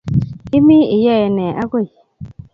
Imi iyoe me agui?